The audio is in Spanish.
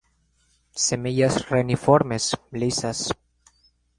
Semillas reniformes, lisas.